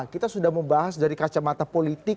kita sudah membahas dari kacamata politik